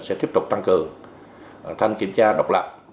sẽ tiếp tục tăng cường thanh kiểm tra độc lập